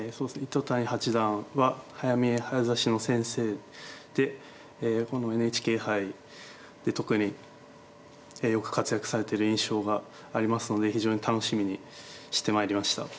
糸谷八段は早見え早指しの先生でこのＮＨＫ杯で特によく活躍されてる印象がありますので非常に楽しみにしてまいりました。